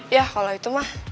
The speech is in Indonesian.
ya kalau itu mah